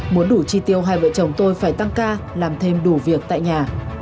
muốn đủ chi tiêu hai vợ chồng tôi phải tăng ca làm thêm đủ việc tại nhà